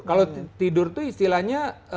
kalau tidur tuh istilahnya